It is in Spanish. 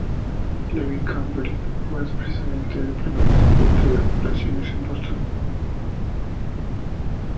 Levin Campbell, Juez Presidente del Primer Circuito de Apelaciones en Boston.